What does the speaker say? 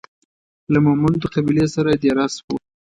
له مومندو قبیلې سره دېره سو.